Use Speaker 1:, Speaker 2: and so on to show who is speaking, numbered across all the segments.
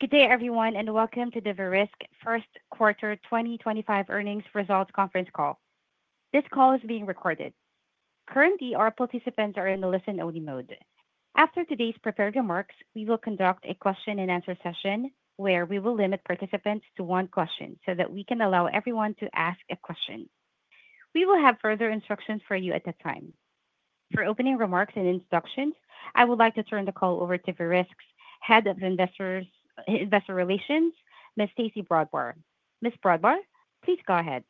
Speaker 1: Good day, everyone, and welcome to the Verisk First Quarter 2025 Earnings Results Conference Call. This call is being recorded. Currently, our participants are in the listen-only mode. After today's prepared remarks, we will conduct a question and answer session where we will limit participants to one question so that we can allow everyone to ask a question. We will have further instructions for you at that time. For opening remarks and instructions, I would like to turn the call over to Verisk's Head of Investor Relations, Ms. Stacey Brodbar. Ms. Brodbar, please go ahead.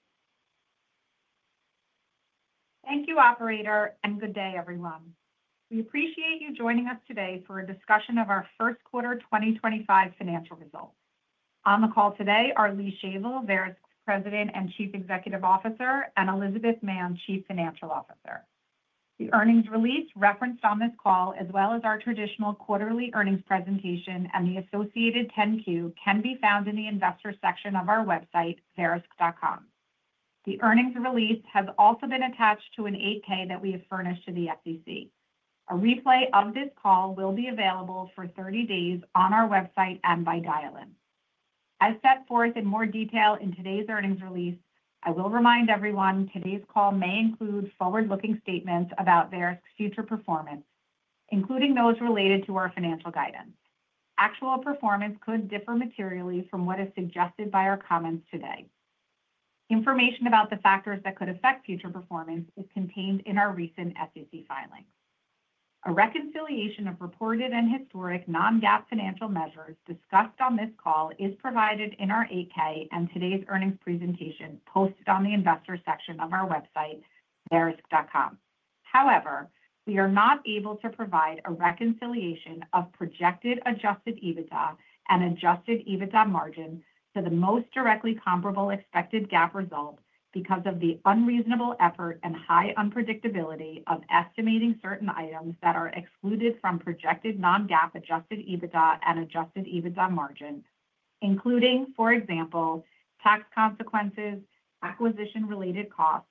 Speaker 2: Thank you, Operator, and good day, everyone. We appreciate you joining us today for a discussion of our First Quarter 2025 financial results. On the call today are Lee Shavel, Verisk's President and Chief Executive Officer, and Elizabeth Mann, Chief Financial Officer. The earnings release referenced on this call, as well as our traditional quarterly earnings presentation and the associated 10-Q, can be found in the investor section of our website, verisk.com. The earnings release has also been attached to an 8-K that we have furnished to the SEC. A replay of this call will be available for 30 days on our website and by dial-in. As set forth in more detail in today's earnings release, I will remind everyone today's call may include forward-looking statements about Verisk's future performance, including those related to our financial guidance. Actual performance could differ materially from what is suggested by our comments today. Information about the factors that could affect future performance is contained in our recent FCC filings. A reconciliation of reported and historic non-GAAP financial measures discussed on this call is provided in our 8-K and today's earnings presentation posted on the investor section of our website, verisk.com. However, we are not able to provide a reconciliation of projected adjusted EBITDA and adjusted EBITDA margin to the most directly comparable expected GAAP result because of the unreasonable effort and high unpredictability of estimating certain items that are excluded from projected non-GAAP adjusted EBITDA and adjusted EBITDA margin, including, for example, tax consequences, acquisition-related costs,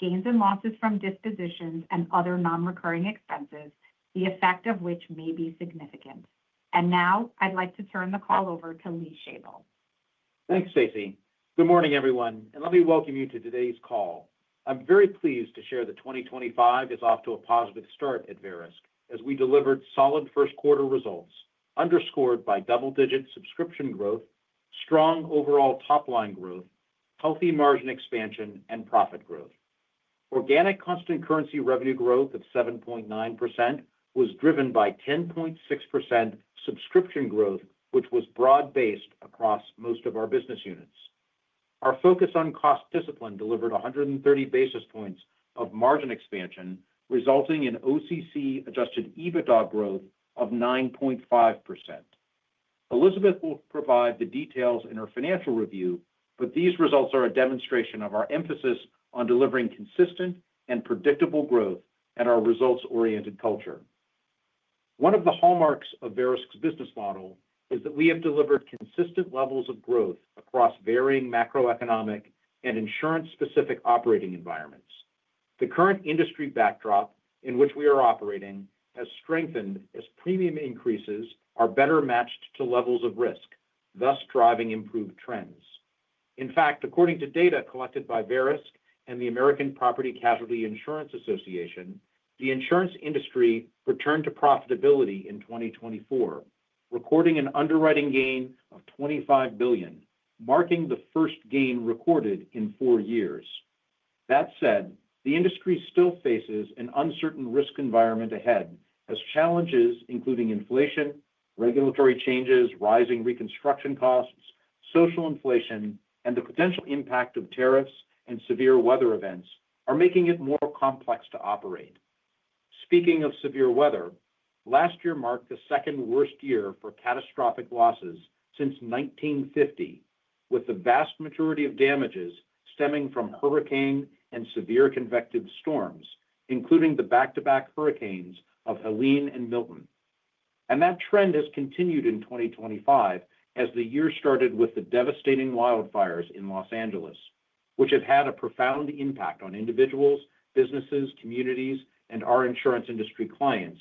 Speaker 2: gains and losses from dispositions, and other non-recurring expenses, the effect of which may be significant. I would like to turn the call over to Lee Shavel.
Speaker 3: Thanks, Stacey. Good morning, everyone, and let me welcome you to today's call. I'm very pleased to share that 2025 is off to a positive start at Verisk as we delivered solid first-quarter results underscored by double-digit subscription growth, strong overall top-line growth, healthy margin expansion, and profit growth. Organic constant currency revenue growth of 7.9% was driven by 10.6% subscription growth, which was broad-based across most of our business units. Our focus on cost discipline delivered 130 basis points of margin expansion, resulting in OCC-adjusted EBITDA growth of 9.5%. Elizabeth will provide the details in her financial review, but these results are a demonstration of our emphasis on delivering consistent and predictable growth and our results-oriented culture. One of the hallmarks of Verisk's business model is that we have delivered consistent levels of growth across varying macroeconomic and insurance-specific operating environments. The current industry backdrop in which we are operating has strengthened as premium increases are better matched to levels of risk, thus driving improved trends. In fact, according to data collected by Verisk and the American Property Casualty Insurance Association, the insurance industry returned to profitability in 2024, recording an underwriting gain of $25 billion, marking the first gain recorded in four years. That said, the industry still faces an uncertain risk environment ahead as challenges including inflation, regulatory changes, rising reconstruction costs, social inflation, and the potential impact of tariffs and severe weather events are making it more complex to operate. Speaking of severe weather, last year marked the second worst year for catastrophic losses since 1950, with the vast majority of damages stemming from hurricane and severe convective storms, including the back-to-back hurricanes of Helene and Milton. That trend has continued in 2025 as the year started with the devastating wildfires in Los Angeles, which have had a profound impact on individuals, businesses, communities, and our insurance industry clients,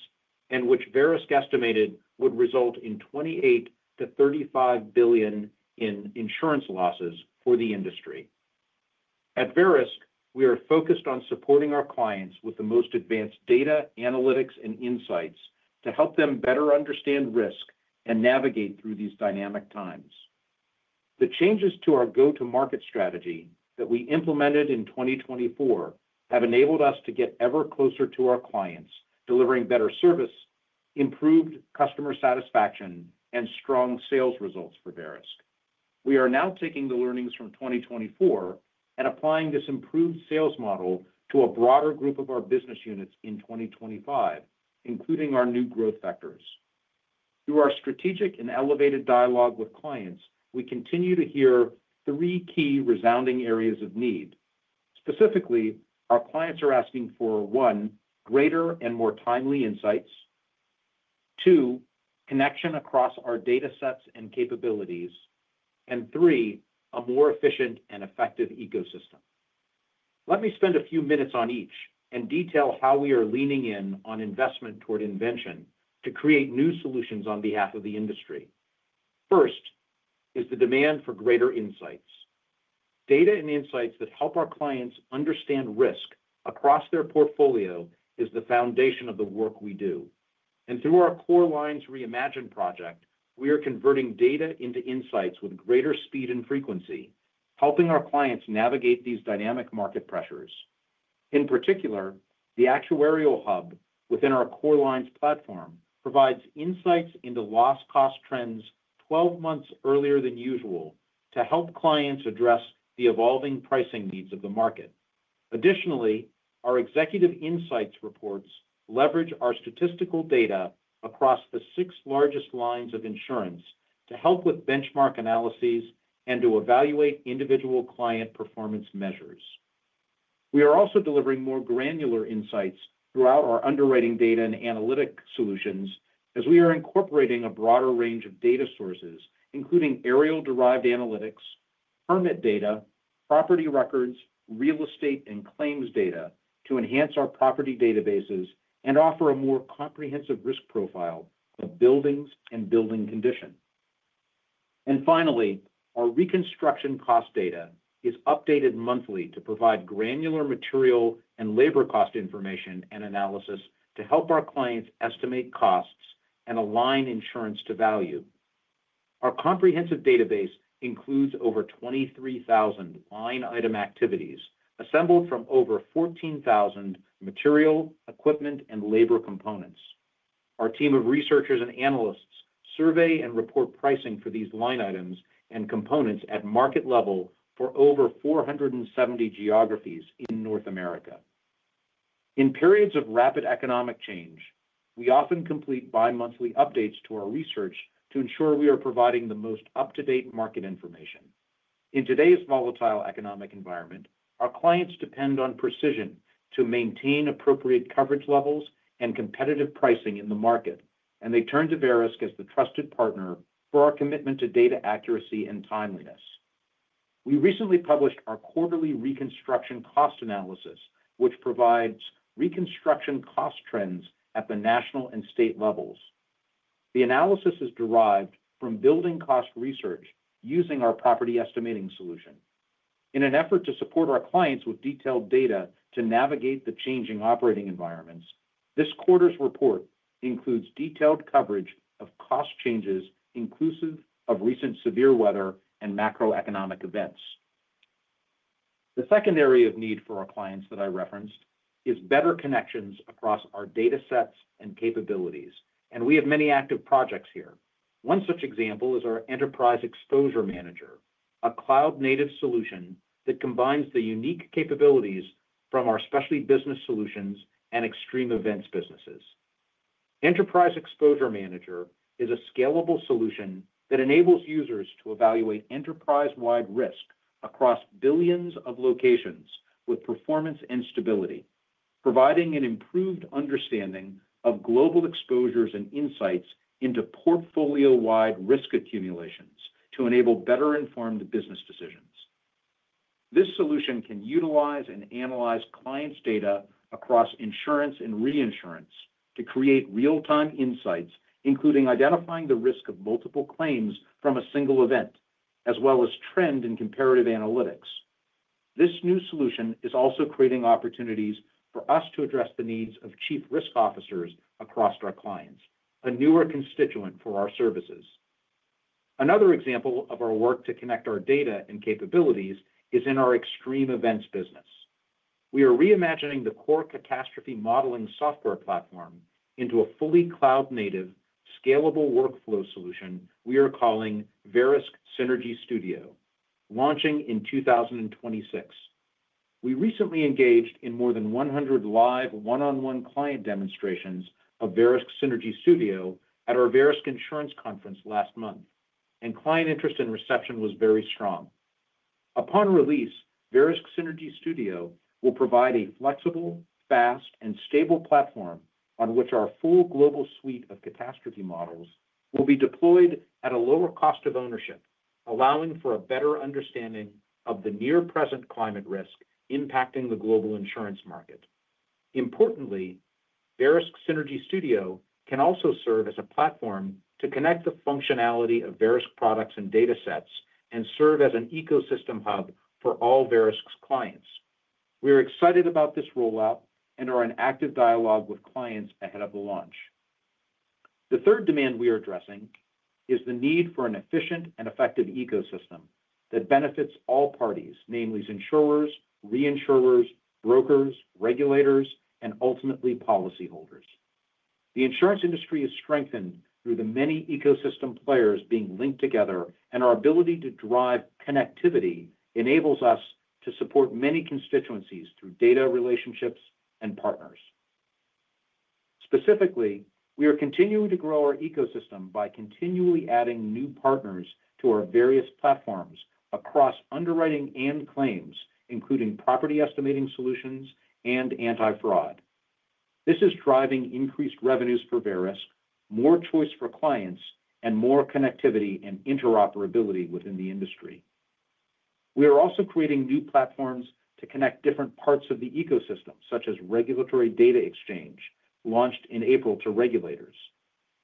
Speaker 3: and which Verisk estimated would result in $28 billion-$35 billion in insurance losses for the industry. At Verisk, we are focused on supporting our clients with the most advanced data, analytics, and insights to help them better understand risk and navigate through these dynamic times. The changes to our go-to-market strategy that we implemented in 2024 have enabled us to get ever closer to our clients, delivering better service, improved customer satisfaction, and strong sales results for Verisk. We are now taking the learnings from 2024 and applying this improved sales model to a broader group of our business units in 2025, including our new growth factors. Through our strategic and elevated dialogue with clients, we continue to hear three key resounding areas of need. Specifically, our clients are asking for, one, greater and more timely insights; two, connection across our data sets and capabilities; and three, a more efficient and effective ecosystem. Let me spend a few minutes on each and detail how we are leaning in on investment toward invention to create new solutions on behalf of the industry. First is the demand for greater insights. Data and insights that help our clients understand risk across their portfolio is the foundation of the work we do. Through our Core Lines Reimagined project, we are converting data into insights with greater speed and frequency, helping our clients navigate these dynamic market pressures. In particular, the Actuarial Hub within our Core Lines platform provides insights into loss-cost trends 12 months earlier than usual to help clients address the evolving pricing needs of the market. Additionally, our executive insights reports leverage our statistical data across the six largest lines of insurance to help with benchmark analyses and to evaluate individual client performance measures. We are also delivering more granular insights throughout our underwriting data and analytic solutions as we are incorporating a broader range of data sources, including aerial-derived analytics, permit data, property records, real estate, and claims data to enhance our property databases and offer a more comprehensive risk profile of buildings and building condition. Finally, our reconstruction cost data is updated monthly to provide granular material and labor cost information and analysis to help our clients estimate costs and align insurance to value. Our comprehensive database includes over 23,000 line item activities assembled from over 14,000 material, equipment, and labor components. Our team of researchers and analysts survey and report pricing for these line items and components at market level for over 470 geographies in North America. In periods of rapid economic change, we often complete bi-monthly updates to our research to ensure we are providing the most up-to-date market information. In today's volatile economic environment, our clients depend on precision to maintain appropriate coverage levels and competitive pricing in the market, and they turn to Verisk as the trusted partner for our commitment to data accuracy and timeliness. We recently published our quarterly reconstruction cost analysis, which provides reconstruction cost trends at the national and state levels. The analysis is derived from building cost research using our property estimating solution. In an effort to support our clients with detailed data to navigate the changing operating environments, this quarter's report includes detailed coverage of cost changes inclusive of recent severe weather and macroeconomic events. The second area of need for our clients that I referenced is better connections across our data sets and capabilities, and we have many active projects here. One such example is our Enterprise Exposure Manager, a cloud-native solution that combines the unique capabilities from our specialty business solutions and extreme events businesses. Enterprise Exposure Manager is a scalable solution that enables users to evaluate enterprise-wide risk across billions of locations with performance and stability, providing an improved understanding of global exposures and insights into portfolio-wide risk accumulations to enable better-informed business decisions. This solution can utilize and analyze clients' data across insurance and reinsurance to create real-time insights, including identifying the risk of multiple claims from a single event, as well as trend and comparative analytics. This new solution is also creating opportunities for us to address the needs of Chief Risk Officers across our clients, a newer constituent for our services. Another example of our work to connect our data and capabilities is in our extreme events business. We are reimagining the core catastrophe modeling software platform into a fully cloud-native, scalable workflow solution we are calling Verisk Synergy Studio, launching in 2026. We recently engaged in more than 100 live one-on-one client demonstrations of Verisk Synergy Studio at our Verisk Insurance Conference last month, and client interest and reception was very strong. Upon release, Verisk Synergy Studio will provide a flexible, fast, and stable platform on which our full global suite of catastrophe models will be deployed at a lower cost of ownership, allowing for a better understanding of the near-present climate risk impacting the global insurance market. Importantly, Verisk Synergy Studio can also serve as a platform to connect the functionality of Verisk products and data sets and serve as an ecosystem hub for all Verisk's clients. We are excited about this rollout and are in active dialogue with clients ahead of the launch. The third demand we are addressing is the need for an efficient and effective ecosystem that benefits all parties, namely insurers, reinsurers, brokers, regulators, and ultimately policyholders. The insurance industry is strengthened through the many ecosystem players being linked together, and our ability to drive connectivity enables us to support many constituencies through data relationships and partners. Specifically, we are continuing to grow our ecosystem by continually adding new partners to our various platforms across underwriting and claims, including property estimating solutions and anti-fraud. This is driving increased revenues for Verisk, more choice for clients, and more connectivity and interoperability within the industry. We are also creating new platforms to connect different parts of the ecosystem, such as Regulatory Data Exchange launched in April to regulators.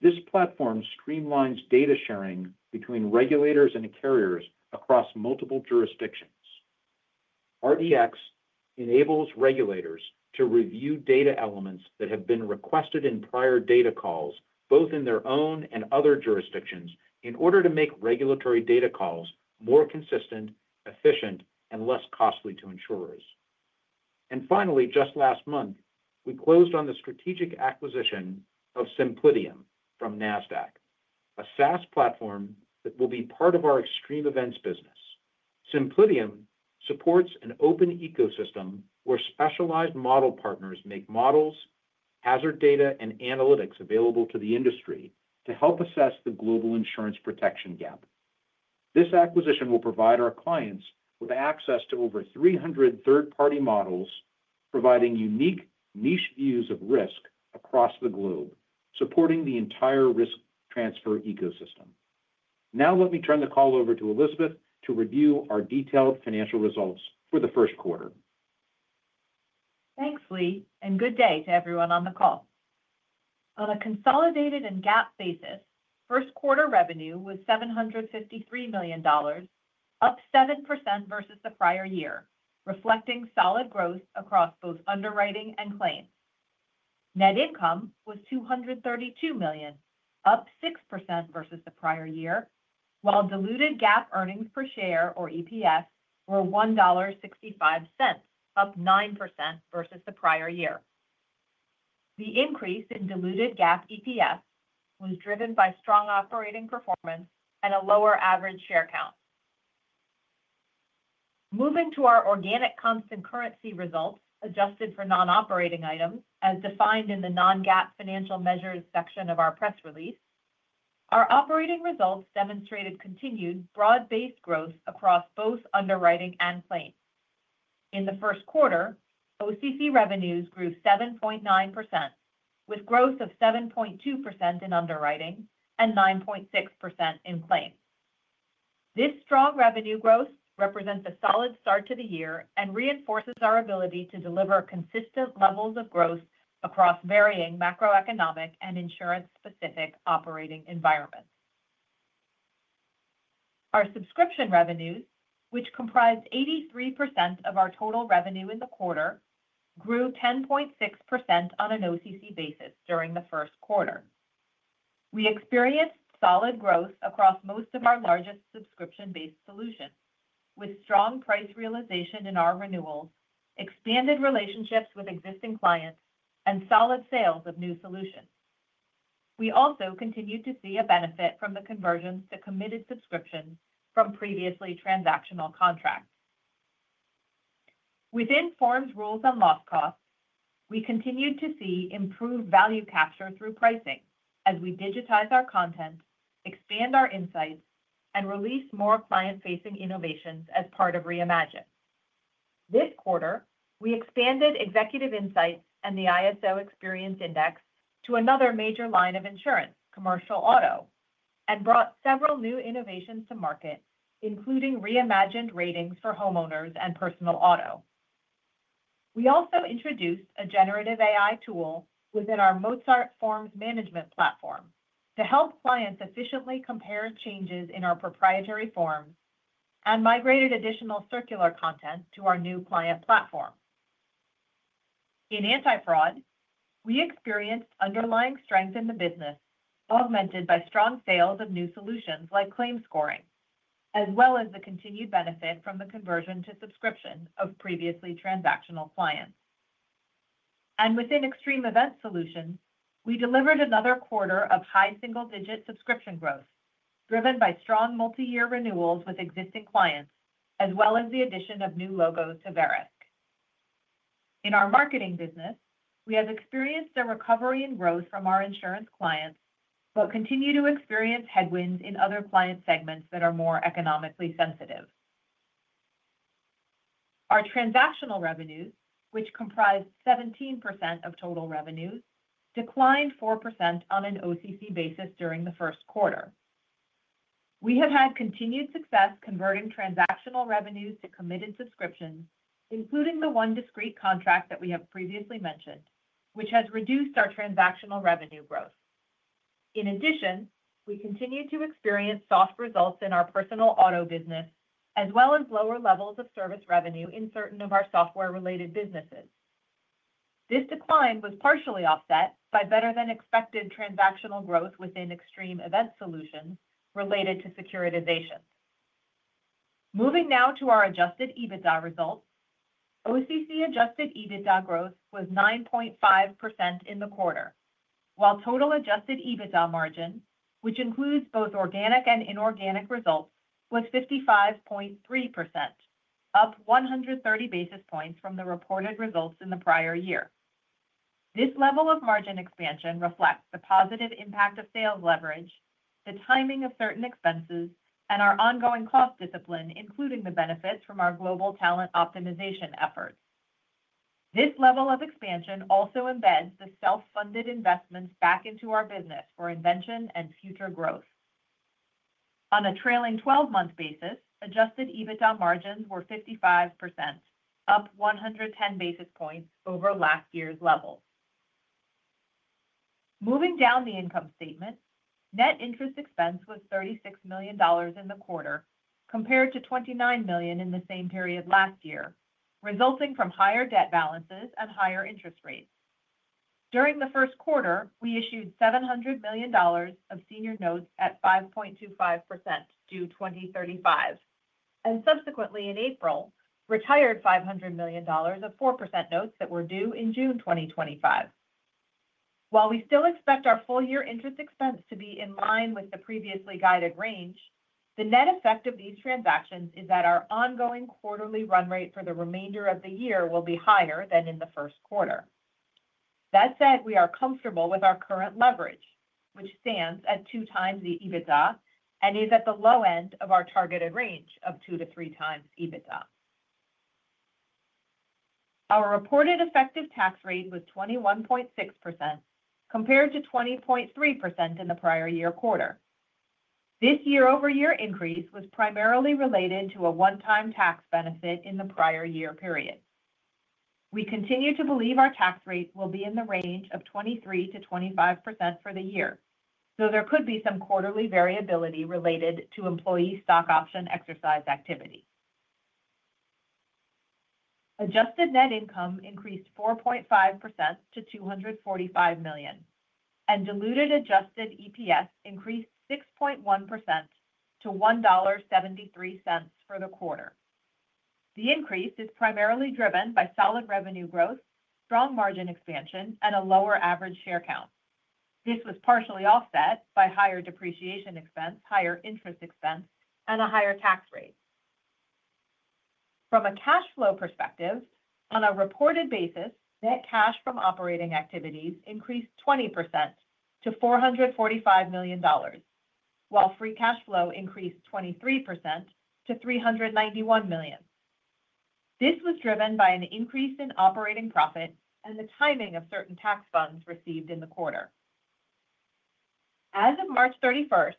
Speaker 3: This platform streamlines data sharing between regulators and carriers across multiple jurisdictions. RDX enables regulators to review data elements that have been requested in prior data calls, both in their own and other jurisdictions, in order to make regulatory data calls more consistent, efficient, and less costly to insurers. Finally, just last month, we closed on the strategic acquisition of Simplitium from Nasdaq, a SaaS platform that will be part of our extreme events business. Simplitium supports an open ecosystem where specialized model partners make models, hazard data, and analytics available to the industry to help assess the global insurance protection gap. This acquisition will provide our clients with access to over 300 third-party models, providing unique niche views of risk across the globe, supporting the entire risk transfer ecosystem. Now, let me turn the call over to Elizabeth to review our detailed financial results for the first quarter.
Speaker 4: Thanks, Lee, and good day to everyone on the call. On a consolidated and GAAP basis, first quarter revenue was $753 million, up 7% versus the prior year, reflecting solid growth across both underwriting and claims. Net income was $232 million, up 6% versus the prior year, while diluted GAAP earnings per share, or EPS, were $1.65, up 9% versus the prior year. The increase in diluted GAAP EPS was driven by strong operating performance and a lower average share count. Moving to our organic constant currency results adjusted for non-operating items, as defined in the non-GAAP financial measures section of our press release, our operating results demonstrated continued broad-based growth across both underwriting and claims. In the first quarter, OCC revenues grew 7.9%, with growth of 7.2% in underwriting and 9.6% in claims. This strong revenue growth represents a solid start to the year and reinforces our ability to deliver consistent levels of growth across varying macroeconomic and insurance-specific operating environments. Our subscription revenues, which comprised 83% of our total revenue in the quarter, grew 10.6% on an OCC basis during the first quarter. We experienced solid growth across most of our largest subscription-based solutions, with strong price realization in our renewals, expanded relationships with existing clients, and solid sales of new solutions. We also continued to see a benefit from the conversions to committed subscriptions from previously transactional contracts. Within forms, rules, and loss costs, we continued to see improved value capture through pricing as we digitize our content, expand our insights, and release more client-facing innovations as part of Reimagine. This quarter, we expanded executive insights and the ISO Experience Index to another major line of insurance, commercial auto, and brought several new innovations to market, including Reimagined ratings for homeowners and personal auto. We also introduced a generative AI tool within our Mozart Forms Management platform to help clients efficiently compare changes in our proprietary forms and migrated additional circular content to our new client platform. In anti-fraud, we experienced underlying strength in the business augmented by strong sales of new solutions like claim scoring, as well as the continued benefit from the conversion to subscription of previously transactional clients. Within extreme events solutions, we delivered another quarter of high single-digit subscription growth driven by strong multi-year renewals with existing clients, as well as the addition of new logos to Verisk. In our marketing business, we have experienced a recovery in growth from our insurance clients but continue to experience headwinds in other client segments that are more economically sensitive. Our transactional revenues, which comprised 17% of total revenues, declined 4% on an OCC basis during the first quarter. We have had continued success converting transactional revenues to committed subscriptions, including the one discreet contract that we have previously mentioned, which has reduced our transactional revenue growth. In addition, we continue to experience soft results in our personal auto business, as well as lower levels of service revenue in certain of our software-related businesses. This decline was partially offset by better than expected transactional growth within extreme event solutions related to securitization. Moving now to our adjusted EBITDA results, OCC adjusted EBITDA growth was 9.5% in the quarter, while total adjusted EBITDA margin, which includes both organic and inorganic results, was 55.3%, up 130 basis points from the reported results in the prior year. This level of margin expansion reflects the positive impact of sales leverage, the timing of certain expenses, and our ongoing cost discipline, including the benefits from our global talent optimization efforts. This level of expansion also embeds the self-funded investments back into our business for invention and future growth. On a trailing 12-month basis, adjusted EBITDA margins were 55%, up 110 basis points over last year's levels. Moving down the income statement, net interest expense was $36 million in the quarter, compared to $29 million in the same period last year, resulting from higher debt balances and higher interest rates. During the first quarter, we issued $700 million of senior notes at 5.25% due 2035, and subsequently, in April, retired $500 million of 4% notes that were due in June 2025. While we still expect our full-year interest expense to be in line with the previously guided range, the net effect of these transactions is that our ongoing quarterly run rate for the remainder of the year will be higher than in the first quarter. That said, we are comfortable with our current leverage, which stands at two times the EBITDA and is at the low end of our targeted range of two to three times EBITDA. Our reported effective tax rate was 21.6%, compared to 20.3% in the prior year quarter. This year-over-year increase was primarily related to a one-time tax benefit in the prior year period. We continue to believe our tax rate will be in the range of 23%-25% for the year, though there could be some quarterly variability related to employee stock option exercise activity. Adjusted net income increased 4.5% to $245 million, and diluted adjusted EPS increased 6.1% to $1.73 for the quarter. The increase is primarily driven by solid revenue growth, strong margin expansion, and a lower average share count. This was partially offset by higher depreciation expense, higher interest expense, and a higher tax rate. From a cash flow perspective, on a reported basis, net cash from operating activities increased 20% to $445 million, while free cash flow increased 23% to $391 million. This was driven by an increase in operating profit and the timing of certain tax funds received in the quarter. As of March 31,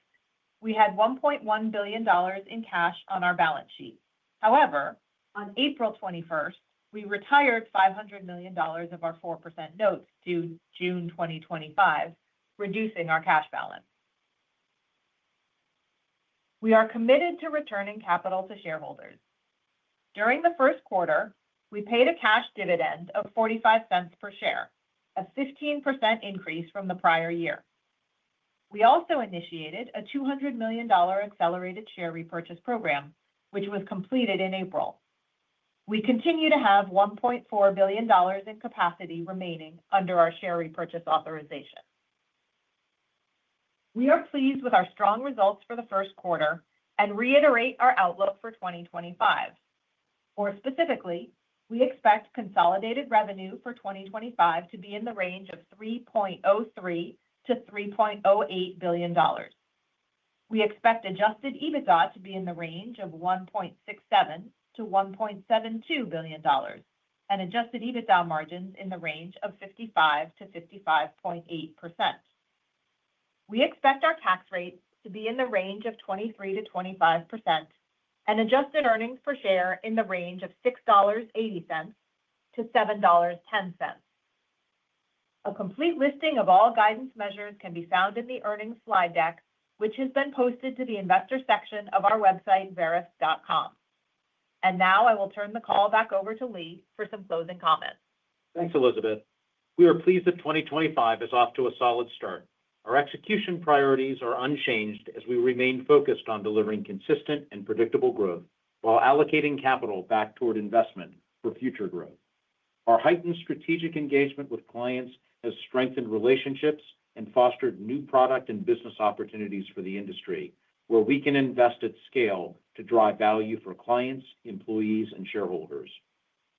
Speaker 4: we had $1.1 billion in cash on our balance sheet. However, on April 21st, we retired $500 million of our 4% notes due June 2025, reducing our cash balance. We are committed to returning capital to shareholders. During the first quarter, we paid a cash dividend of $0.45 per share, a 15% increase from the prior year. We also initiated a $200 million accelerated share repurchase program, which was completed in April. We continue to have $1.4 billion in capacity remaining under our share repurchase authorization. We are pleased with our strong results for the first quarter and reiterate our outlook for 2025. More specifically, we expect consolidated revenue for 2025 to be in the range of $3.03 billion-$3.08 billion. We expect adjusted EBITDA to be in the range of $1.67 bilion-$1.72 billion and adjusted EBITDA margins in the range of 55%-55.8%. We expect our tax rates to be in the range of 23%-25% and adjusted earnings per share in the range of $6.80-$7.10. A complete listing of all guidance measures can be found in the earnings slide deck, which has been posted to the investor section of our website, verisk.com. I will now turn the call back over to Lee for some closing comments.
Speaker 3: Thanks, Elizabeth. We are pleased that 2025 is off to a solid start. Our execution priorities are unchanged as we remain focused on delivering consistent and predictable growth while allocating capital back toward investment for future growth. Our heightened strategic engagement with clients has strengthened relationships and fostered new product and business opportunities for the industry, where we can invest at scale to drive value for clients, employees, and shareholders.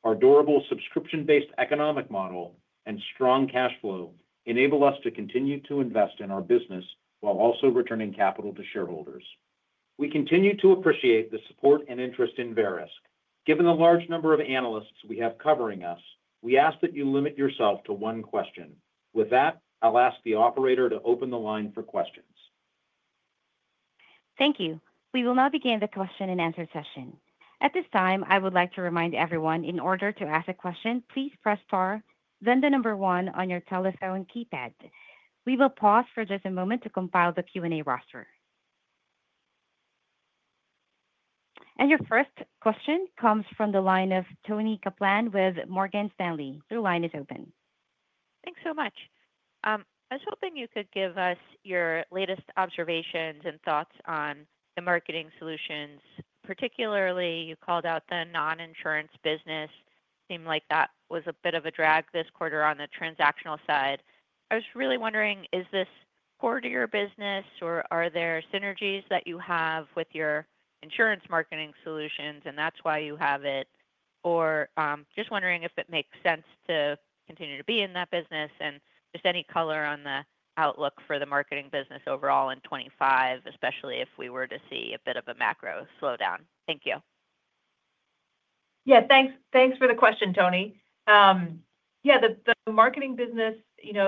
Speaker 3: Our durable subscription-based economic model and strong cash flow enable us to continue to invest in our business while also returning capital to shareholders. We continue to appreciate the support and interest in Verisk. Given the large number of analysts we have covering us, we ask that you limit yourself to one question. With that, I'll ask the operator to open the line for questions.
Speaker 1: Thank you. We will now begin the question and answer session. At this time, I would like to remind everyone, in order to ask a question, please press star, then the number one on your telephone keypad. We will pause for just a moment to compile the Q&A roster. Your first question comes from the line of Toni kaplan with Morgan Stanley. Your line is open.
Speaker 5: Thanks so much. I was hoping you could give us your latest observations and thoughts on the marketing solutions. Particularly, you called out the non-insurance business. It seemed like that was a bit of a drag this quarter on the transactional side. I was really wondering, is this core to your business, or are there synergies that you have with your insurance marketing solutions, and that's why you have it? Just wondering if it makes sense to continue to be in that business and just any color on the outlook for the marketing business overall in 2025, especially if we were to see a bit of a macro slowdown. Thank you.
Speaker 4: Yeah, thanks for the question, Toni. Yeah, the marketing business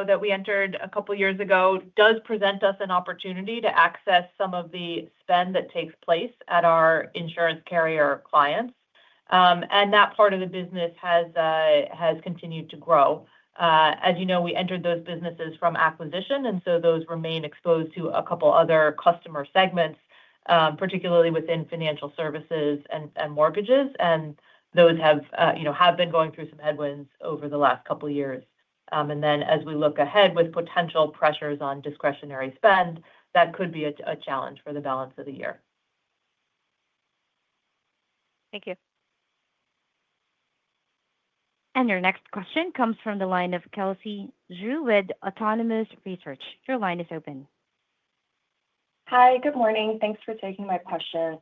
Speaker 4: that we entered a couple of years ago does present us an opportunity to access some of the spend that takes place at our insurance carrier clients. That part of the business has continued to grow. As you know, we entered those businesses from acquisition, and those remain exposed to a couple of other customer segments, particularly within financial services and mortgages. Those have been going through some headwinds over the last couple of years. As we look ahead with potential pressures on discretionary spend, that could be a challenge for the balance of the year.
Speaker 5: Thank you.
Speaker 1: Your next question comes from the line of Kelsey Zhu with Autonomous Research. Your line is open.
Speaker 6: Hi, good morning. Thanks for taking my question.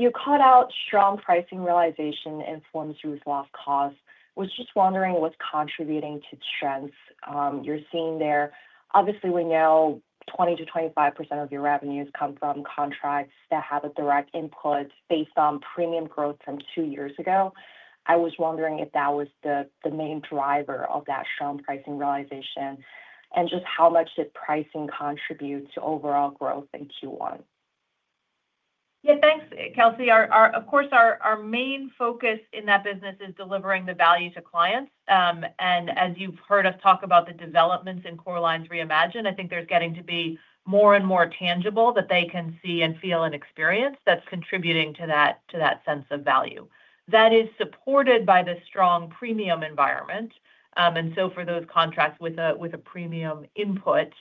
Speaker 6: You called out strong pricing realization in forms of loss costs. I was just wondering what's contributing to the strengths you're seeing there. Obviously, we know 20%-25% of your revenues come from contracts that have a direct input based on premium growth from two years ago. I was wondering if that was the main driver of that strong pricing realization and just how much did pricing contribute to overall growth in Q1.
Speaker 4: Yeah, thanks, Kelsey. Of course, our main focus in that business is delivering the value to clients. As you've heard us talk about the developments in Core Lines Reimagine, I think there's getting to be more and more tangible that they can see and feel and experience that's contributing to that sense of value. That is supported by the strong premium environment. For those contracts with a premium input,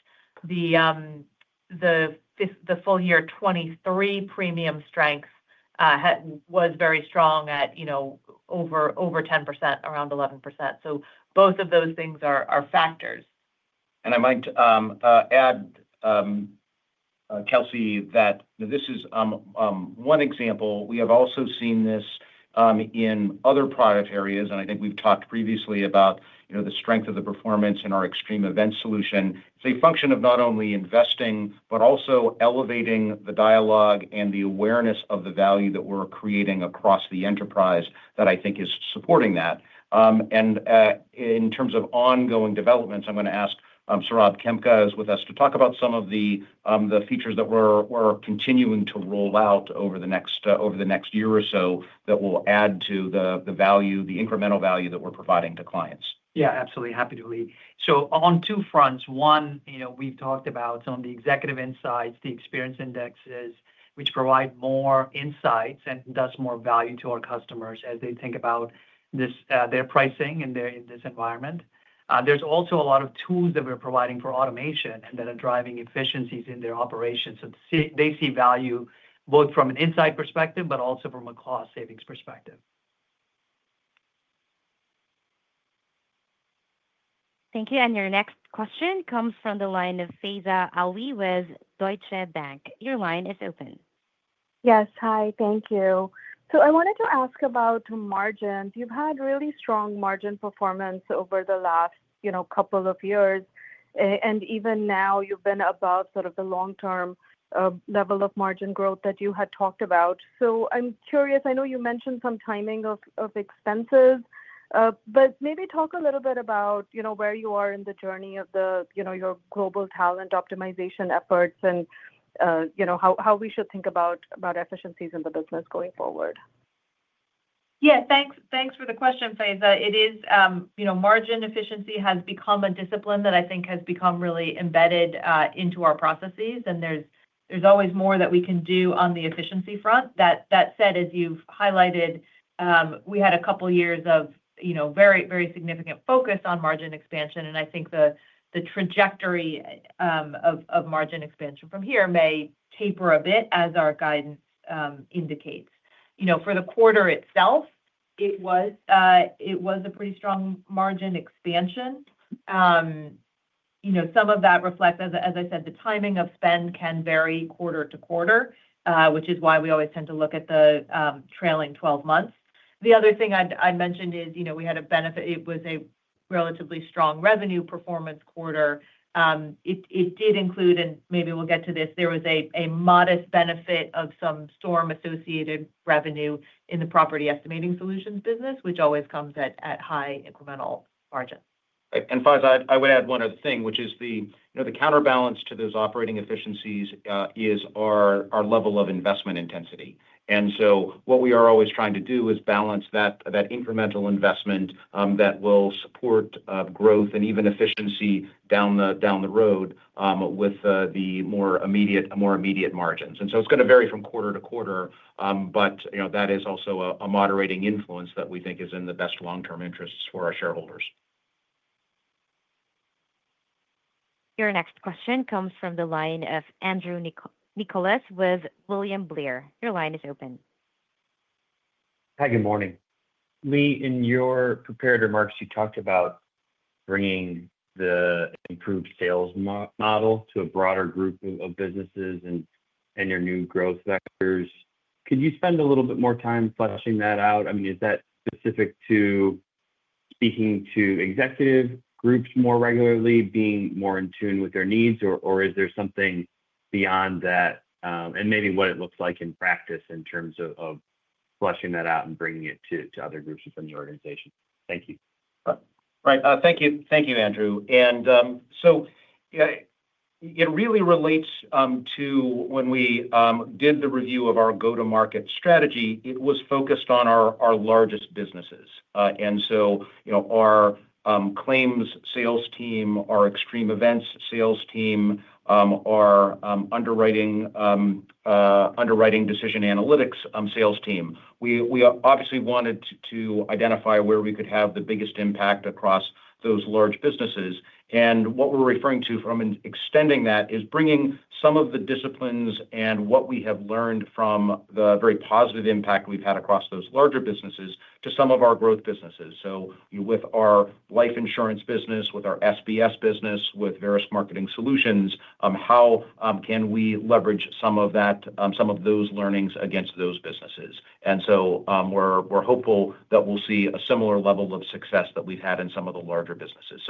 Speaker 4: the full-year 2023 premium strength was very strong at over 10%, around 11%. Both of those things are factors.
Speaker 3: I might add, Kelsey, that this is one example. We have also seen this in other product areas, and I think we've talked previously about the strength of the performance in our extreme event solution. It's a function of not only investing but also elevating the dialogue and the awareness of the value that we're creating across the enterprise that I think is supporting that. In terms of ongoing developments, I'm going to ask Saurabh Khemka who's with us to talk about some of the features that we're continuing to roll out over the next year or so that will add to the incremental value that we're providing to clients.
Speaker 7: Yeah, absolutely. Happy to lead. On two fronts. One, we've talked about some of the executive insights, the experience indexes, which provide more insights and thus more value to our customers as they think about their pricing in this environment. There's also a lot of tools that we're providing for automation and that are driving efficiencies in their operations. They see value both from an inside perspective but also from a cost savings perspective.
Speaker 1: Thank you. Your next question comes from the line of Faiza Alwy with Deutsche Bank. Your line is open.
Speaker 8: Yes, hi. Thank you. I wanted to ask about margins. You've had really strong margin performance over the last couple of years. Even now, you've been above sort of the long-term level of margin growth that you had talked about. I'm curious. I know you mentioned some timing of expenses, but maybe talk a little bit about where you are in the journey of your global talent optimization efforts and how we should think about efficiencies in the business going forward.
Speaker 4: Yeah, thanks for the question, Faiza. Margin efficiency has become a discipline that I think has become really embedded into our processes. There's always more that we can do on the efficiency front. That said, as you've highlighted, we had a couple of years of very, very significant focus on margin expansion. I think the trajectory of margin expansion from here may taper a bit, as our guidance indicates. For the quarter itself, it was a pretty strong margin expansion. Some of that reflects, as I said, the timing of spend can vary quarter to quarter, which is why we always tend to look at the trailing 12 months. The other thing I'd mention is we had a benefit. It was a relatively strong revenue performance quarter. It did include, and maybe we'll get to this, there was a modest benefit of some storm-associated revenue in the property estimating solutions business, which always comes at high incremental margins.
Speaker 3: Faiza, I would add one other thing, which is the counterbalance to those operating efficiencies is our level of investment intensity. What we are always trying to do is balance that incremental investment that will support growth and even efficiency down the road with the more immediate margins. It is going to vary from quarter to quarter, but that is also a moderating influence that we think is in the best long-term interests for our shareholders.
Speaker 1: Your next question comes from the line of Andrew Nicholas with William Blair. Your line is open.
Speaker 9: Hi, good morning. Lee, in your prepared remarks, you talked about bringing the improved sales model to a broader group of businesses and your new growth vectors. Could you spend a little bit more time fleshing that out? I mean, is that specific to speaking to executive groups more regularly, being more in tune with their needs, or is there something beyond that? Maybe what it looks like in practice in terms of fleshing that out and bringing it to other groups within the organization. Thank you.
Speaker 3: Right. Thank you, Andrew. It really relates to when we did the review of our go-to-market strategy. It was focused on our largest businesses. Our claims sales team, our extreme events sales team, our underwriting decision analytics sales team. We obviously wanted to identify where we could have the biggest impact across those large businesses. What we are referring to from extending that is bringing some of the disciplines and what we have learned from the very positive impact we have had across those larger businesses to some of our growth businesses. With our life insurance business, with our SBS business, with Verisk Marketing Solutions, how can we leverage some of those learnings against those businesses? We are hopeful that we will see a similar level of success that we have had in some of the larger businesses.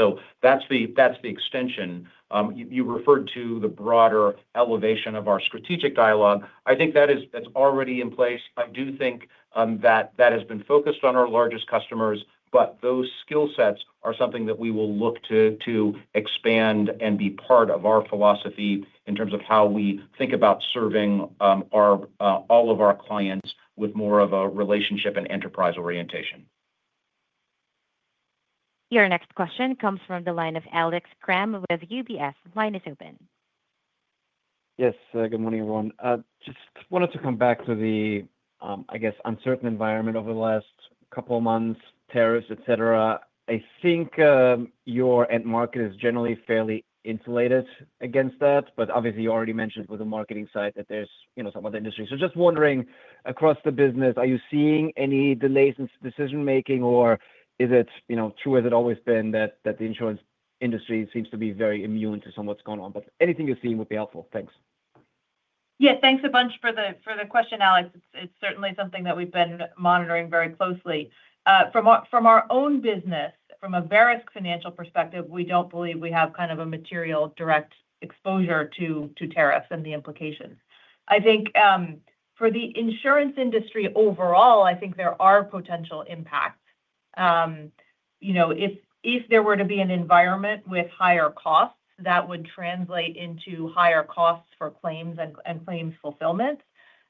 Speaker 3: That is the extension. You referred to the broader elevation of our strategic dialogue. I think that's already in place. I do think that that has been focused on our largest customers, but those skill sets are something that we will look to expand and be part of our philosophy in terms of how we think about serving all of our clients with more of a relationship and enterprise orientation.
Speaker 1: Your next question comes from the line of Alex Kramm with UBS. Line is open.
Speaker 10: Yes, good morning, everyone. Just wanted to come back to the, I guess, uncertain environment over the last couple of months, tariffs, etc. I think your end market is generally fairly insulated against that. Obviously, you already mentioned with the marketing side that there's some other industry. Just wondering, across the business, are you seeing any delays in decision-making, or is it true as it always been that the insurance industry seems to be very immune to some of what's going on? Anything you're seeing would be helpful. Thanks.
Speaker 4: Yeah, thanks a bunch for the question, Alex. It's certainly something that we've been monitoring very closely. From our own business, from a Verisk financial perspective, we don't believe we have kind of a material direct exposure to tariffs and the implications. I think for the insurance industry overall, I think there are potential impacts. If there were to be an environment with higher costs, that would translate into higher costs for claims and claims fulfillment.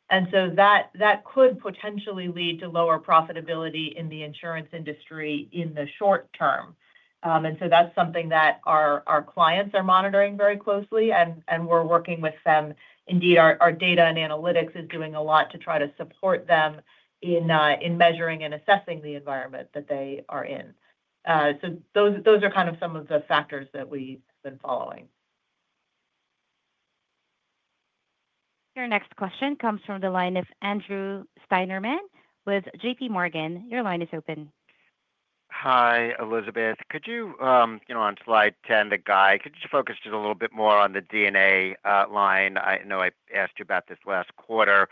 Speaker 4: That could potentially lead to lower profitability in the insurance industry in the short-term. That is something that our clients are monitoring very closely, and we're working with them. Indeed, our data and analytics is doing a lot to try to support them in measuring and assessing the environment that they are in. Those are kind of some of the factors that we've been following.
Speaker 1: Your next question comes from the line of Andrew Steinerman with J.P. Morgan. Your line is open.
Speaker 11: Hi, Elizabeth. Could you, on slide 10, the guide, could you just focus just a little bit more on the DNA line? I know I asked you about this last quarter.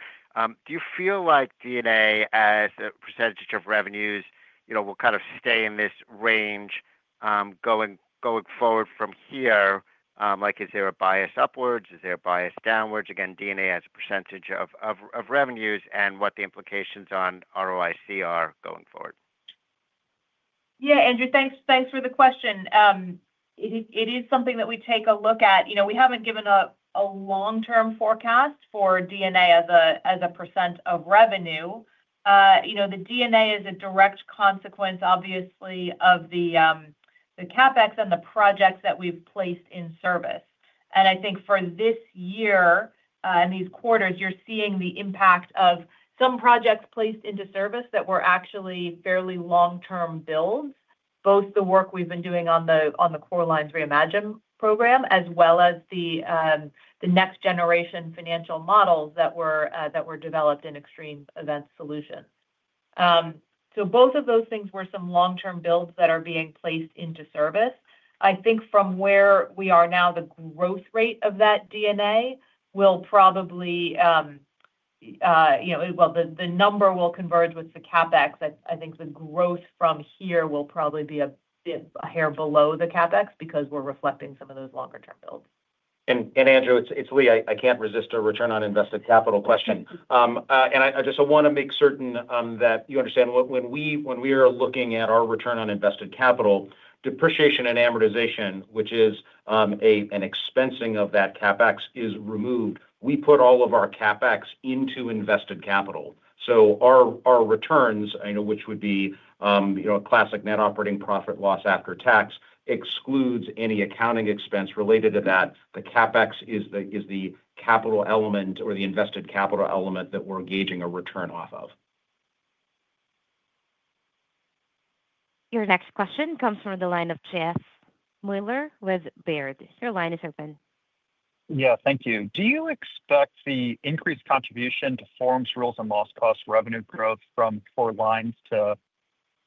Speaker 11: Do you feel like DNA as a percentage of revenues will kind of stay in this range going forward from here? Is there a bias upwards? Is there a bias downwards? Again, DNA as a percentage of revenues and what the implications on ROIC are going forward.
Speaker 4: Yeah, Andrew, thanks for the question. It is something that we take a look at. We haven't given a long-term forecast for DNA as a % of revenue. The DNA is a direct consequence, obviously, of the CapEx and the projects that we've placed in service. I think for this year and these quarters, you're seeing the impact of some projects placed into service that were actually fairly long-term builds, both the work we've been doing on the Core Lines Reimagine program as well as the next-generation financial models that were developed in extreme event solutions. Both of those things were some long-term builds that are being placed into service. I think from where we are now, the growth rate of that DNA will probably—the number will converge with the CapEx. I think the growth from here will probably be a hair below the CapEx because we're reflecting some of those longer-term builds.
Speaker 3: Andrew, it's Lee. I can't resist a return on invested capital question. I just want to make certain that you understand when we are looking at our return on invested capital, depreciation and amortization, which is an expensing of that CapEx, is removed. We put all of our CapEx into invested capital. Our returns, which would be a classic net operating profit loss after tax, excludes any accounting expense related to that. The CapEx is the capital element or the invested capital element that we're gauging a return off of.
Speaker 1: Your next question comes from the line of Jeff Meuler with Baird. Your line is open.
Speaker 12: Yeah, thank you. Do you expect the increased contribution to forms, rules, and loss cost revenue growth from Core Lines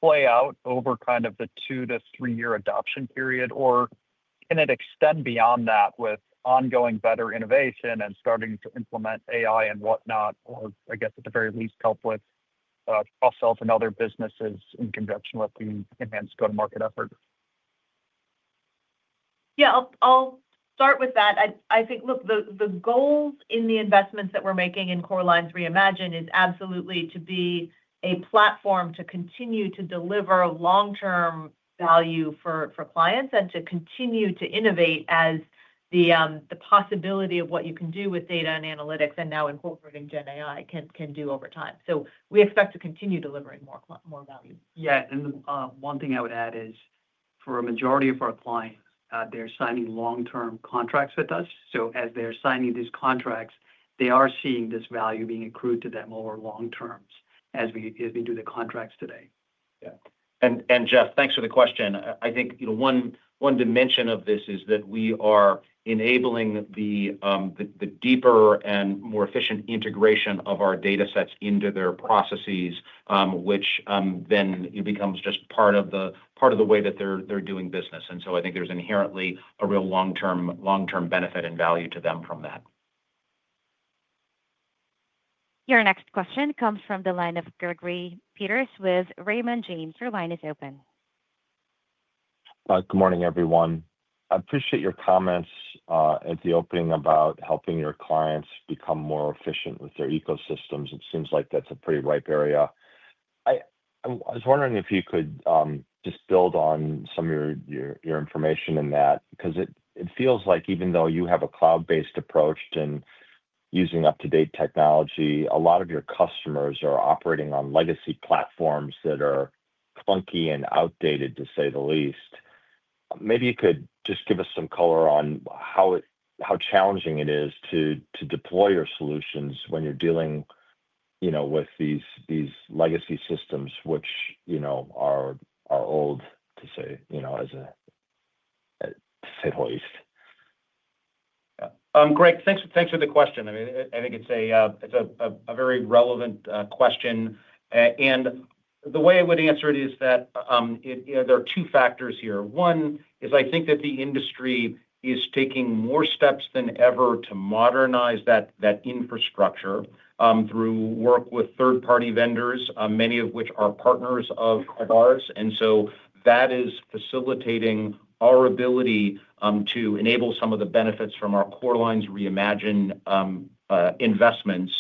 Speaker 12: to play out over kind of the two to three-year adoption period? Or can it extend beyond that with ongoing better innovation and starting to implement AI and whatnot, or I guess, at the very least, help with cross-sell to other businesses in conjunction with the enhanced go-to-market effort?
Speaker 4: Yeah, I'll start with that. I think, look, the goals in the investments that we're making in Core Lines Reimagine is absolutely to be a platform to continue to deliver long-term value for clients and to continue to innovate as the possibility of what you can do with data and analytics and now incorporating GenAI can do over time. We expect to continue delivering more value.
Speaker 7: Yeah. One thing I would add is for a majority of our clients, they're signing long-term contracts with us. As they're signing these contracts, they are seeing this value being accrued to them over long-terms as we do the contracts today.
Speaker 3: Yeah. Jeff, thanks for the question. I think one dimension of this is that we are enabling the deeper and more efficient integration of our data sets into their processes, which then becomes just part of the way that they're doing business. I think there's inherently a real long-term benefit and value to them from that.
Speaker 1: Your next question comes from the line of Gregory Peters with Raymond James. Your line is open.
Speaker 13: Good morning, everyone. I appreciate your comments at the opening about helping your clients become more efficient with their ecosystems. It seems like that's a pretty ripe area. I was wondering if you could just build on some of your information in that because it feels like even though you have a cloud-based approach and using up-to-date technology, a lot of your customers are operating on legacy platforms that are clunky and outdated, to say the least. Maybe you could just give us some color on how challenging it is to deploy your solutions when you're dealing with these legacy systems, which are old, to say the least.
Speaker 3: Great. Thanks for the question. I mean, I think it's a very relevant question. The way I would answer it is that there are two factors here. One is I think that the industry is taking more steps than ever to modernize that infrastructure through work with third-party vendors, many of which are partners of ours. That is facilitating our ability to enable some of the benefits from our Core Lines Reimagine investments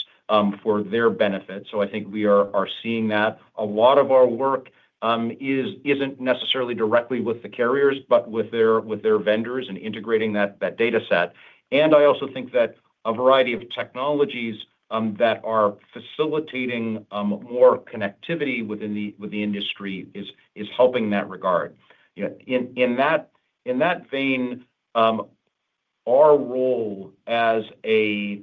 Speaker 3: for their benefits. I think we are seeing that. A lot of our work isn't necessarily directly with the carriers, but with their vendors and integrating that data set. I also think that a variety of technologies that are facilitating more connectivity within the industry is helping in that regard. In that vein, our role as a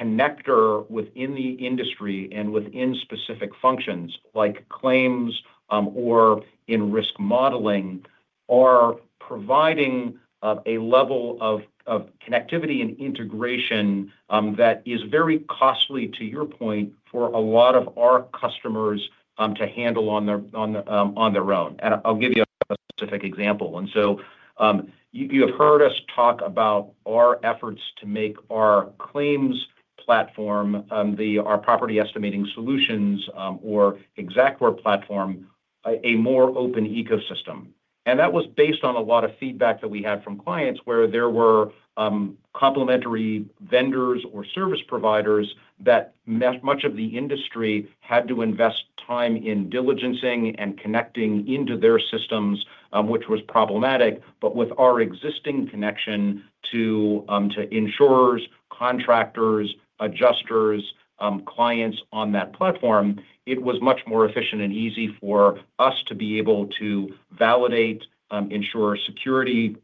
Speaker 3: connector within the industry and within specific functions like claims or in risk modeling are providing a level of connectivity and integration that is very costly, to your point, for a lot of our customers to handle on their own. I'll give you a specific example. You have heard us talk about our efforts to make our claims platform, our property estimating solutions, or Xactware platform a more open ecosystem. That was based on a lot of feedback that we had from clients where there were complimentary vendors or service providers that much of the industry had to invest time in diligencing and connecting into their systems, which was problematic. With our existing connection to insurers, contractors, adjusters, clients on that platform, it was much more efficient and easy for us to be able to validate insurer security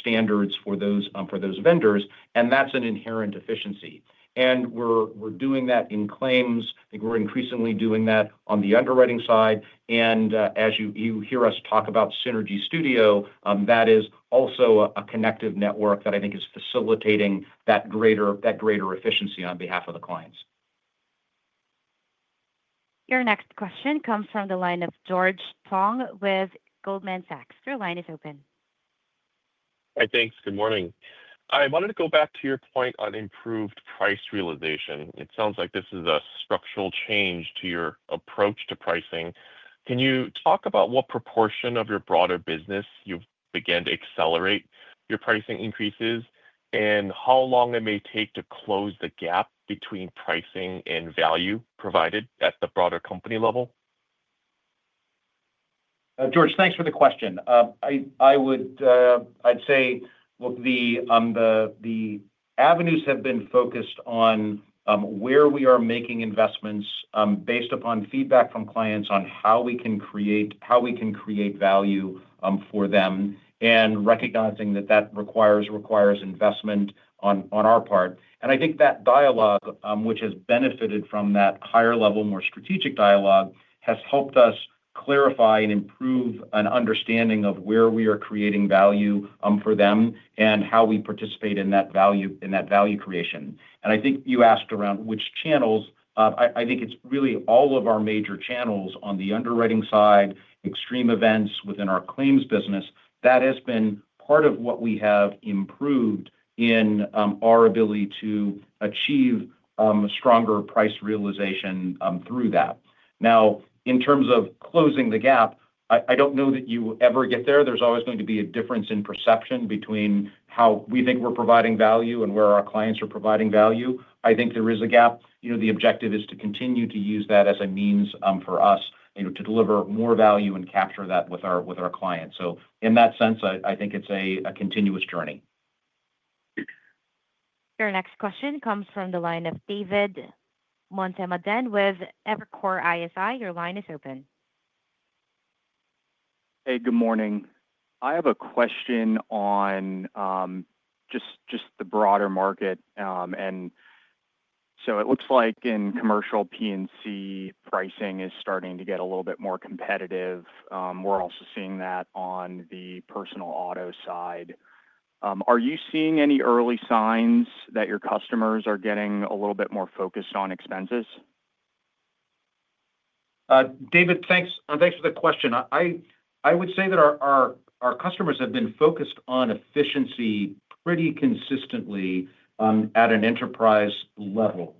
Speaker 3: standards for those vendors. That is an inherent efficiency. We're doing that in claims. I think we're increasingly doing that on the underwriting side. As you hear us talk about Synergy Studio, that is also a connective network that I think is facilitating that greater efficiency on behalf of the clients.
Speaker 1: Your next question comes from the line of George Tong with Goldman Sachs. Your line is open.
Speaker 14: Hi, thanks. Good morning. I wanted to go back to your point on improved price realization. It sounds like this is a structural change to your approach to pricing. Can you talk about what proportion of your broader business you've begun to accelerate your pricing increases and how long it may take to close the gap between pricing and value provided at the broader company level?
Speaker 3: George, thanks for the question. I'd say, look, the avenues have been focused on where we are making investments based upon feedback from clients on how we can create value for them and recognizing that that requires investment on our part. I think that dialogue, which has benefited from that higher level, more strategic dialogue, has helped us clarify and improve an understanding of where we are creating value for them and how we participate in that value creation. I think you asked around which channels. I think it's really all of our major channels on the underwriting side, extreme events within our claims business. That has been part of what we have improved in our ability to achieve stronger price realization through that. Now, in terms of closing the gap, I don't know that you ever get there. There's always going to be a difference in perception between how we think we're providing value and where our clients are providing value. I think there is a gap. The objective is to continue to use that as a means for us to deliver more value and capture that with our clients. In that sense, I think it's a continuous journey.
Speaker 1: Your next question comes from the line of David Motemaden with Evercore ISI. Your line is open.
Speaker 15: Hey, good morning. I have a question on just the broader market. It looks like in commercial, P&C pricing is starting to get a little bit more competitive. We're also seeing that on the personal auto side. Are you seeing any early signs that your customers are getting a little bit more focused on expenses?
Speaker 3: David, thanks for the question. I would say that our customers have been focused on efficiency pretty consistently at an enterprise level.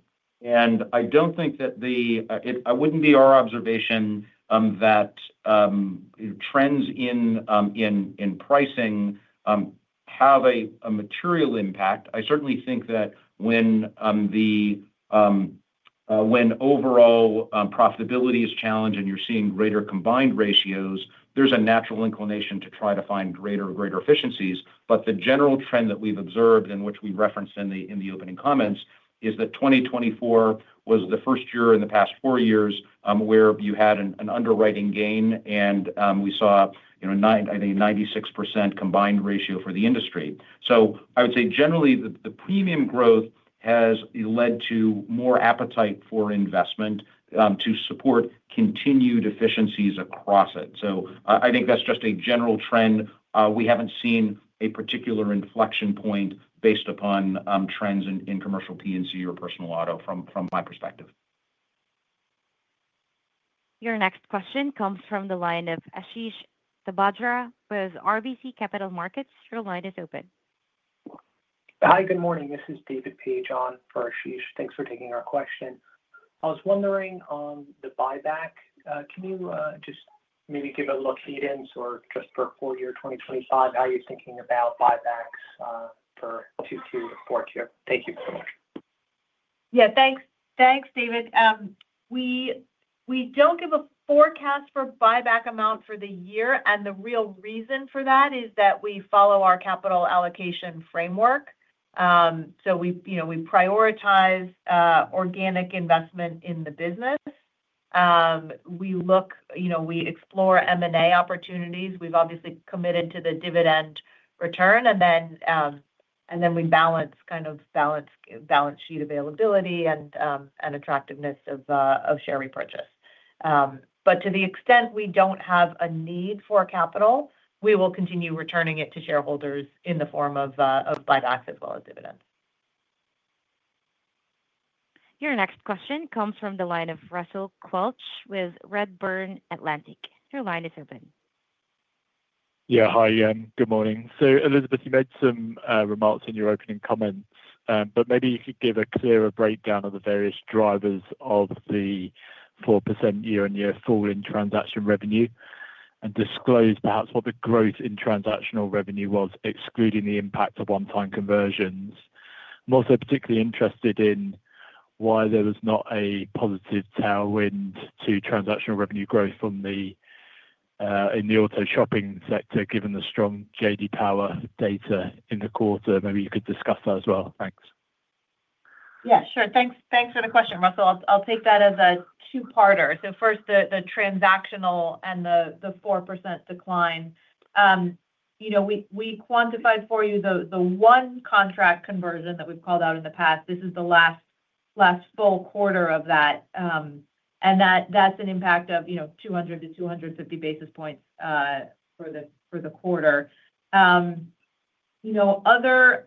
Speaker 3: I do not think that the—I would not be our observation that trends in pricing have a material impact. I certainly think that when overall profitability is challenged and you are seeing greater combined ratios, there is a natural inclination to try to find greater efficiencies. The general trend that we have observed and which we referenced in the opening comments is that 2024 was the first year in the past four years where you had an underwriting gain, and we saw, I think, a 96% combined ratio for the industry. I would say, generally, the premium growth has led to more appetite for investment to support continued efficiencies across it. I think that is just a general trend. We haven't seen a particular inflection point based upon trends in commercial, P&C, or personal auto from my perspective.
Speaker 1: Your next question comes from the line of Ashish Sabhadra with RBC Capital Markets. Your line is open.
Speaker 16: Hi, good morning. This is David P. John for Ashish. Thanks for taking our question. I was wondering on the buyback. Can you just maybe give a look cadence or just for full year 2025, how you're thinking about buybacks for Q2 to Q4? Thank you so much.
Speaker 4: Yeah, thanks. Thanks, David. We do not give a forecast for buyback amount for the year. The real reason for that is that we follow our capital allocation framework. We prioritize organic investment in the business. We explore M&A opportunities. We have obviously committed to the dividend return. We balance kind of balance sheet availability and attractiveness of share repurchase. To the extent we do not have a need for capital, we will continue returning it to shareholders in the form of buybacks as well as dividends.
Speaker 1: Your next question comes from the line of Russell Quelch with Redburn Atlantic. Your line is open.
Speaker 17: Yeah, hi, again. Good morning. Elizabeth, you made some remarks in your opening comments, but maybe you could give a clearer breakdown of the various drivers of the 4% year-on-year fall in transaction revenue and disclose perhaps what the growth in transactional revenue was, excluding the impact of on-time conversions. I'm also particularly interested in why there was not a positive tailwind to transactional revenue growth in the auto shopping sector, given the strong J.D. Power data in the quarter. Maybe you could discuss that as well. Thanks.
Speaker 4: Yeah, sure. Thanks for the question, Russell. I'll take that as a two-parter. First, the transactional and the 4% decline. We quantified for you the one contract conversion that we've called out in the past. This is the last full quarter of that. That's an impact of 200-250 basis points for the quarter. Other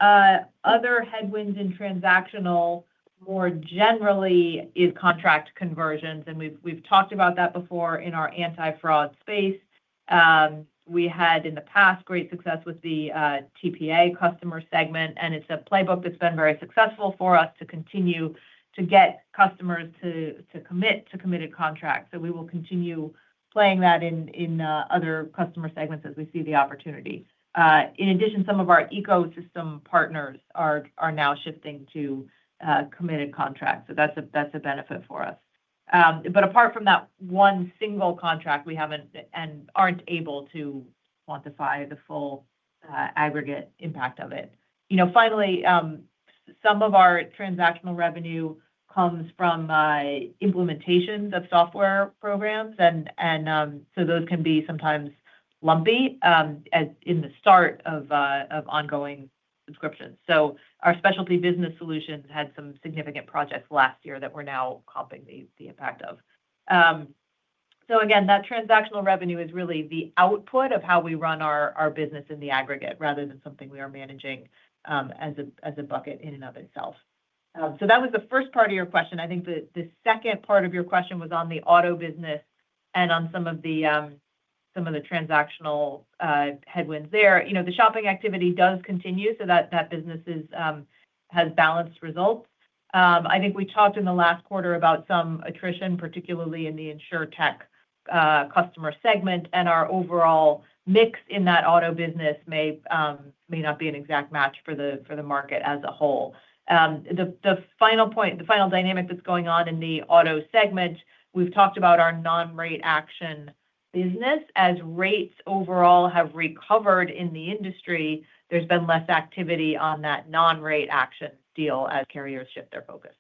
Speaker 4: headwinds in transactional, more generally, is contract conversions. We've talked about that before in our anti-fraud space. We had, in the past, great success with the TPA customer segment. It's a playbook that's been very successful for us to continue to get customers to commit to committed contracts. We will continue playing that in other customer segments as we see the opportunity. In addition, some of our ecosystem partners are now shifting to committed contracts. That's a benefit for us. Apart from that one single contract, we haven't and aren't able to quantify the full aggregate impact of it. Finally, some of our transactional revenue comes from implementations of software programs. Those can be sometimes lumpy in the start of ongoing subscriptions. Our specialty business solutions had some significant projects last year that we're now comping the impact of. That transactional revenue is really the output of how we run our business in the aggregate rather than something we are managing as a bucket in and of itself. That was the first part of your question. I think the second part of your question was on the auto business and on some of the transactional headwinds there. The shopping activity does continue, so that business has balanced results. I think we talked in the last quarter about some attrition, particularly in the insurtech customer segment. And our overall mix in that auto business may not be an exact match for the market as a whole. The final dynamic that's going on in the auto segment, we've talked about our non-rate action business. As rates overall have recovered in the industry, there's been less activity on that non-rate action deal as carriers shift their focus.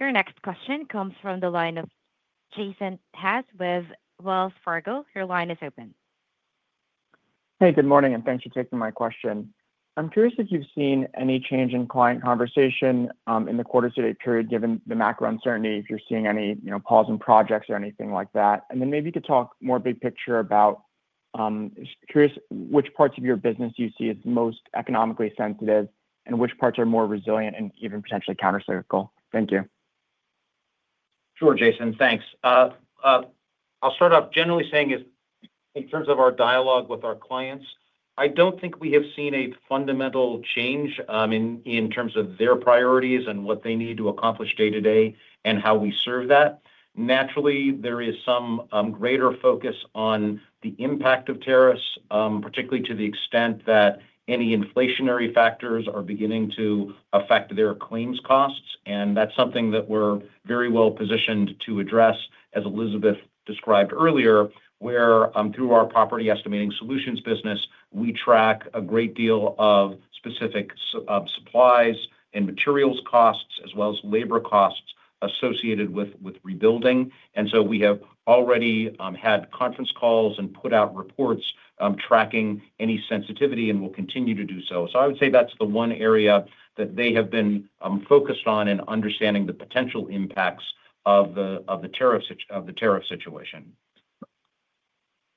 Speaker 1: Your next question comes from the line of Jason Haas with Wells Fargo. Your line is open.
Speaker 18: Hey, good morning. Thanks for taking my question. I'm curious if you've seen any change in client conversation in the quarter-to-date period, given the macro uncertainty, if you're seeing any pause in projects or anything like that. Maybe you could talk more big picture about which parts of your business you see as most economically sensitive and which parts are more resilient and even potentially counter-cyclical. Thank you.
Speaker 3: Sure, Jason. Thanks. I'll start off generally saying in terms of our dialogue with our clients, I don't think we have seen a fundamental change in terms of their priorities and what they need to accomplish day to day and how we serve that. Naturally, there is some greater focus on the impact of tariffs, particularly to the extent that any inflationary factors are beginning to affect their claims costs. That's something that we're very well positioned to address, as Elizabeth described earlier, where through our property estimating solutions business, we track a great deal of specific supplies and materials costs as well as labor costs associated with rebuilding. We have already had conference calls and put out reports tracking any sensitivity and will continue to do so. I would say that's the one area that they have been focused on in understanding the potential impacts of the tariff situation.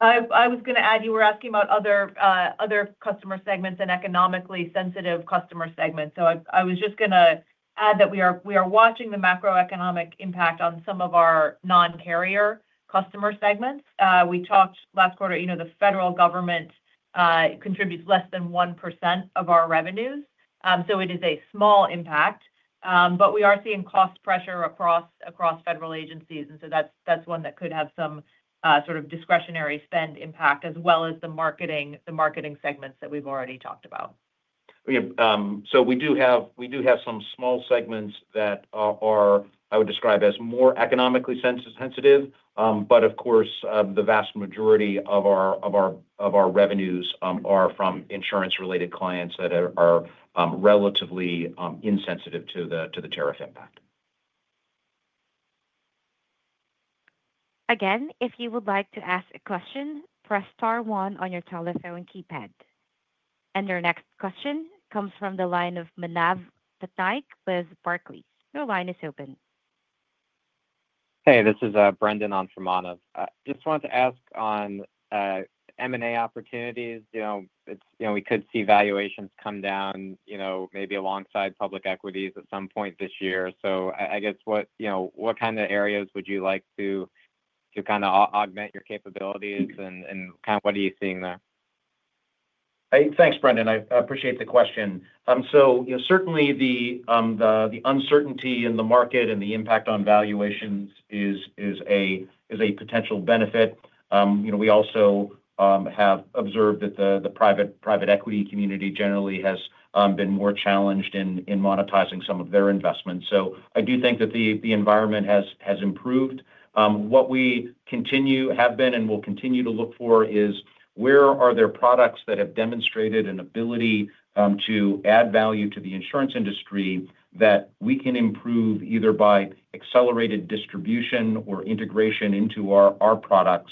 Speaker 4: I was going to add you were asking about other customer segments and economically sensitive customer segments. I was just going to add that we are watching the macroeconomic impact on some of our non-carrier customer segments. We talked last quarter, the federal government contributes less than 1% of our revenues. It is a small impact. We are seeing cost pressure across federal agencies. That is one that could have some sort of discretionary spend impact as well as the marketing segments that we have already talked about.
Speaker 3: We do have some small segments that are, I would describe as more economically sensitive. Of course, the vast majority of our revenues are from insurance-related clients that are relatively insensitive to the tariff impact.
Speaker 1: Again, if you would like to ask a question, press star one on your telephone keypad. Your next question comes from the line of Manav Patnaiek with Barclays. Your line is open.
Speaker 19: Hey, this is Brendan on from Baird. Just wanted to ask on M&A opportunities. We could see valuations come down maybe alongside public equities at some point this year. I guess what kind of areas would you like to kind of augment your capabilities and kind of what are you seeing there?
Speaker 3: Hey, thanks, Brendan. I appreciate the question. Certainly, the uncertainty in the market and the impact on valuations is a potential benefit. We also have observed that the private equity community generally has been more challenged in monetizing some of their investments. I do think that the environment has improved. What we continue have been and will continue to look for is where are there products that have demonstrated an ability to add value to the insurance industry that we can improve either by accelerated distribution or integration into our products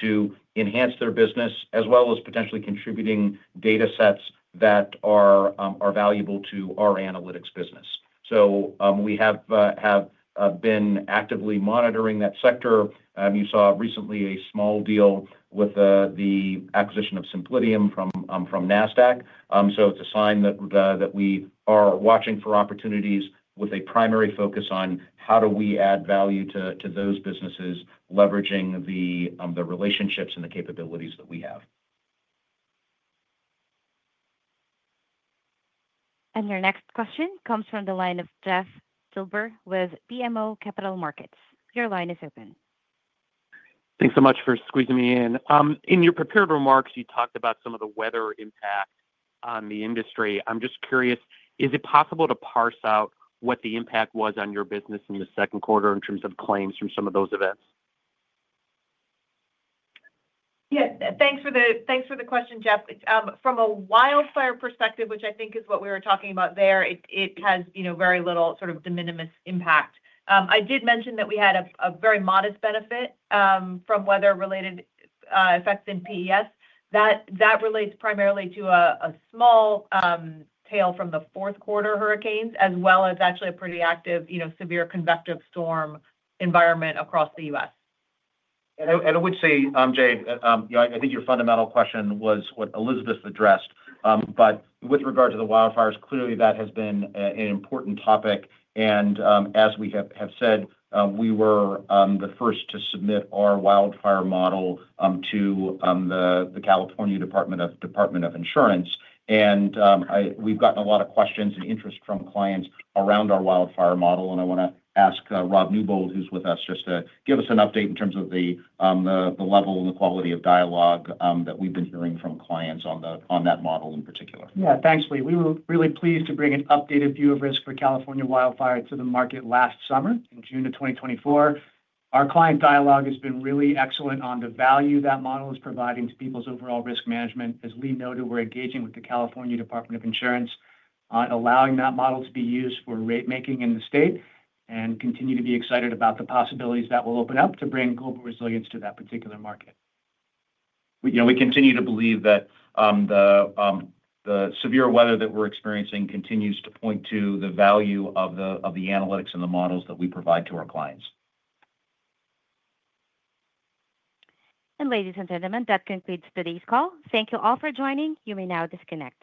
Speaker 3: to enhance their business as well as potentially contributing data sets that are valuable to our analytics business. We have been actively monitoring that sector. You saw recently a small deal with the acquisition of Simplitium from Nasdaq. It's a sign that we are watching for opportunities with a primary focus on how do we add value to those businesses, leveraging the relationships and the capabilities that we have.
Speaker 1: Your next question comes from the line of Jeff Silber with BMO Capital Markets. Your line is open.
Speaker 20: Thanks so much for squeezing me in. In your prepared remarks, you talked about some of the weather impact on the industry. I'm just curious, is it possible to parse out what the impact was on your business in the second quarter in terms of claims from some of those events?
Speaker 4: Yeah. Thanks for the question, Jeff. From a wildfire perspective, which I think is what we were talking about there, it has very little sort of de minimis impact. I did mention that we had a very modest benefit from weather-related effects in PES. That relates primarily to a small tail from the fourth quarter hurricanes as well as actually a pretty active severe convective storm environment across the U.S.
Speaker 3: I would say, Jay, I think your fundamental question was what Elizabeth addressed. With regard to the wildfires, clearly, that has been an important topic. As we have said, we were the first to submit our wildfire model to the California Department of Insurance. We have gotten a lot of questions and interest from clients around our wildfire model. I want to ask Rob Newbold, who's with us, just to give us an update in terms of the level and the quality of dialogue that we've been hearing from clients on that model in particular.
Speaker 21: Yeah, thanks, Lee. We were really pleased to bring an updated view of risk for California wildfire to the market last summer in June of 2024. Our client dialogue has been really excellent on the value that model is providing to people's overall risk management. As Lee noted, we're engaging with the California Department of Insurance on allowing that model to be used for rate-making in the state and continue to be excited about the possibilities that will open up to bring global resilience to that particular market.
Speaker 3: We continue to believe that the severe weather that we're experiencing continues to point to the value of the analytics and the models that we provide to our clients.
Speaker 1: Ladies and gentlemen, that concludes today's call. Thank you all for joining. You may now disconnect.